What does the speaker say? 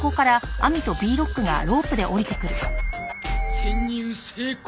潜入成功。